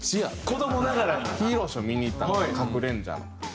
ヒーローショー見に行ったんですカクレンジャーの。